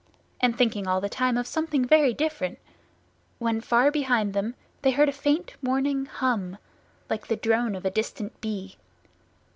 _"—and thinking all the time of something very different, when far behind them they heard a faint warning hum; like the drone of a distant bee.